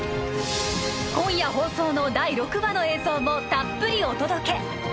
今夜放送の第６話の映像もたっぷりお届け